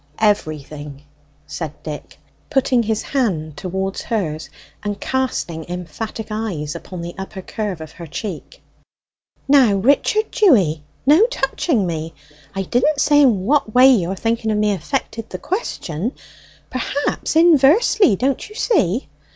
"Everything," said Dick, putting his hand towards hers, and casting emphatic eyes upon the upper curve of her cheek. "Now, Richard Dewy, no touching me! I didn't say in what way your thinking of me affected the question perhaps inversely, don't you see?